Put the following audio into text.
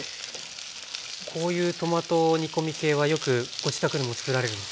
こういうトマト煮込み系はよくご自宅でもつくられるんですか？